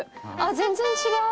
全然違う！